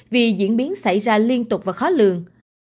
vì diễn biến xảy ra liên tục và khó lường